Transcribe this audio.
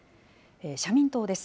社民党です。